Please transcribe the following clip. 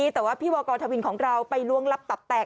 แต่ว่าพี่วกอทวินของเราไปล้วงลับตับแตก